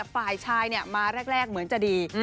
ฝ่ายชายมาแรกเหมือนจะดี